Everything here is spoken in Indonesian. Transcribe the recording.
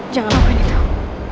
jangan lakukan itu